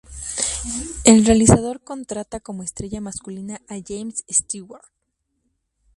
El realizador contrata como estrella masculina a James Stewart.